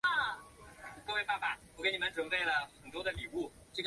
毕业于广东省广播电视大学法律专业。